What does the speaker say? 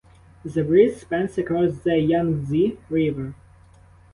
The bridge spans across the Yangtze River.